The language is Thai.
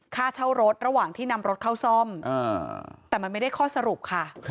ค่าเช่ารถระหว่างที่นำรถเข้าซ่อมแต่มันไม่ได้ข้อสรุปค่ะ